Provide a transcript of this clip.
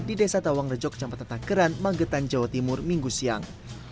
di desa tawangrejo kecamatan takeran magetan jawa timur minggu siang